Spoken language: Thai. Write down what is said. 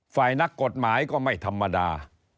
ฝ่ายนักกฎหมายก็ไม่ธรรมดา